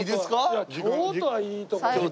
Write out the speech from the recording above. いや京都はいいとこじゃない。